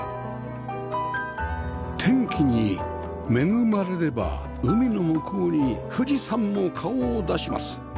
天気に恵まれれば海の向こうに富士山も顔を出します